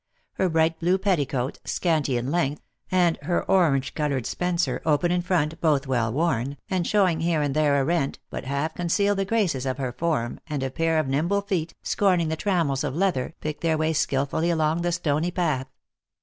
Her bright blue petticoat, scanty in length, and her orange colored spencer, open in front, both well worn, and showing here and there a rent, but half conceal the graces of her form, and a pair of nimble feet, scorning the trammels of leather, pick their way skillfully along the stony path.